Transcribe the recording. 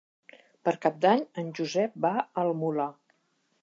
Per Cap d'Any en Josep va al Molar.